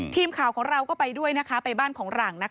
ทีมข่าวของเราก็ไปด้วยนะคะไปบ้านของหลัง